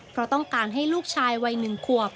เพราะต้องการให้ลูกชายวัย๑ขวบ